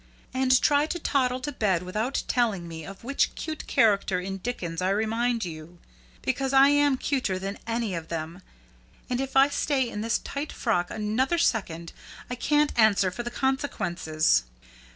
And try to toddle to bed without telling me of which cute character in Dickens I remind you, because I am cuter than any of them, and if I stay in this tight frock another second I can't answer for the consequences.